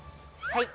はい。